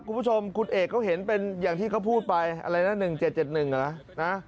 คุณผู้ชมคุณเอกเขาเห็นเป็นอย่างที่เขาพูดไปอะไรนะ๑๗๗๑เหรอนะ